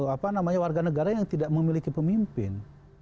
apa namanya warga negara yang tidak memiliki pemimpin